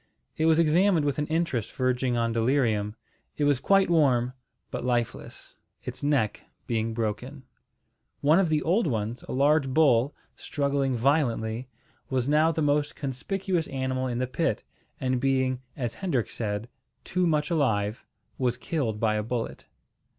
It was examined with an interest verging on delirium. It was quite warm, but lifeless, its neck being broken. One of the old ones, a large bull, struggling violently, was now the most conspicuous animal in the pit, and being, as Hendrik said, "too much alive," was killed by a bullet.